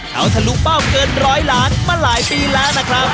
เขาทะลุเป้าเกินร้อยล้านมาหลายปีแล้วนะครับ